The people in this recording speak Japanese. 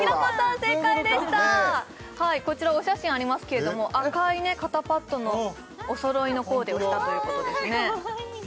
正解でしたこちらお写真ありますけれども赤い肩パッドのおそろいのコーデをしたということですね